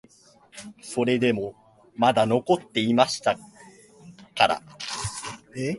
それでもまだ残っていましたから、